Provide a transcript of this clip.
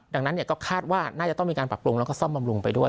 ดังนั้นก็คาดว่าน่าจะต้องมีการปรับปรุงแล้วก็ซ่อมบำรุงไปด้วย